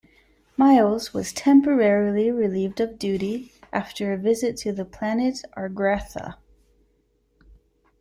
Miles was temporarily relieved of duty after a visit to the planet Argratha.